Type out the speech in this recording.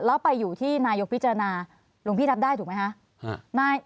แล้วไปอยู่ที่นายกพิจารณาหลวงพี่รับได้ถูกไหมคะ